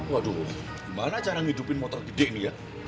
waduh gimana cara ngidupin motor gede nih ya